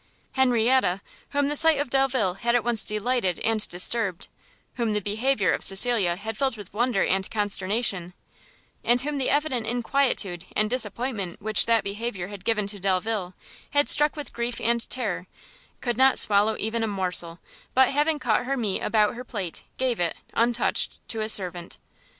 Henrietta, whom the sight of Delvile had at once delighted and disturbed, whom the behaviour of Cecilia had filled with wonder and consternation, and whom the evident inquietude and disappointment which that behaviour had given to Delvile, had struck with grief and terror, could not swallow even a morsel, but having cut her meat about her plate, gave it, untouched, to a servant.